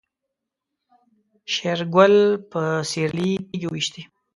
شېرګل په سيرلي تيږې وويشتې.